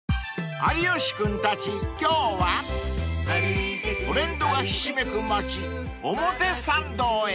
［有吉君たち今日はトレンドがひしめく街］